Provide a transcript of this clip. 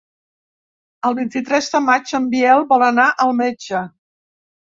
El vint-i-tres de maig en Biel vol anar al metge.